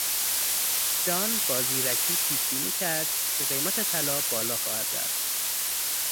جان با زیرکی پیش بینی کرد که قیمت طلا بالا خواهد رفت.